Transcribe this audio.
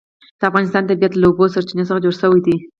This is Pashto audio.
د افغانستان طبیعت له د اوبو سرچینې څخه جوړ شوی دی.